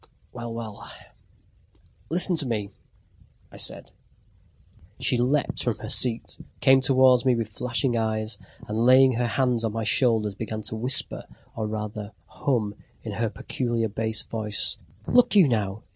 Well, well! "Listen to me," I said. She leaped from her seat, came towards me with flashing eyes, and laying her hands on my shoulders, began to whisper, or rather to hum in her peculiar bass voice: "Look you, now!